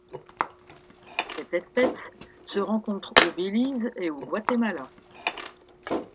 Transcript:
Cette espèce se rencontre au Belize et au Guatemala.